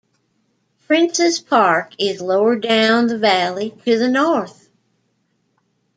Princes Park is lower down the valley to the north.